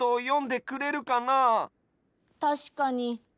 たしかに。